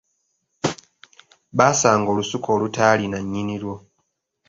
Baasanga olusuku olutaalina nnyini lwo.